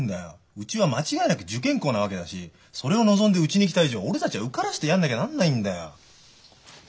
うちは間違いなく受験校なわけだしそれを望んでうちに来た以上俺たちは受からせてやんなきゃなんないんだよ。